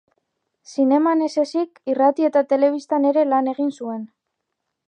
Zineman ez ezik, irrati eta telebistan ere lan egin zuen.